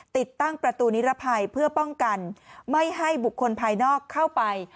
ติดตั้งประตูนิรภัยเพื่อป้องกันไม่ให้บุคคลภายนอกเข้าไป